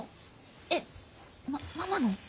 えっママの？